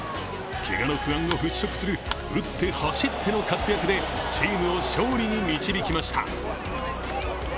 けがの不安を払拭する打って走っての活躍でチームを勝利に導きました。